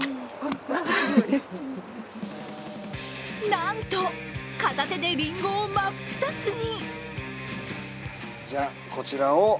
なんと、片手でりんごを真っ二つに！